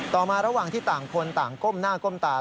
มาระหว่างที่ต่างคนต่างก้มหน้าก้มตา